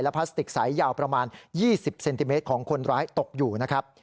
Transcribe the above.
พลาสติกใสยาวประมาณ๒๐เซนติเมตรของคนร้ายตกอยู่นะครับ